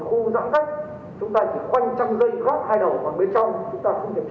chúng ta chỉ khoanh trăm giây góc hai đầu vào bên trong chúng ta không kiểm tra được